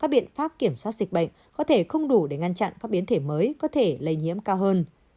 các biện pháp kiểm soát dịch bệnh có thể không đủ để ngăn chặn các biến thể mới có thể lây nhiễm cao hơn